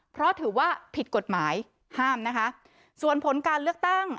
เพราะถือว่าผิดกฎหมายห้ามนะคะส่วนผลการเลือกตั้ง